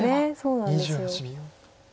そうなんです。